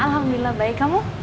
alhamdulillah baik kamu